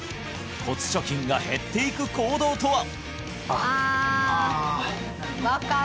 骨貯金が減っていく行動とは！？